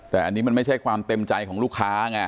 แต่อันนี้มันไม่ใช่ความเต็มใจของลูกค้าไง